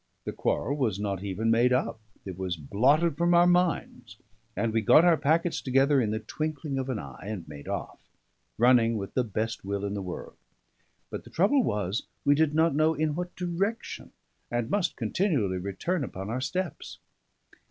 The quarrel was not even made up; it was blotted from our minds; and we got our packets together in the twinkling of an eye, and made off, running with the best will in the world. But the trouble was, we did not know in what direction, and must continually return upon our steps.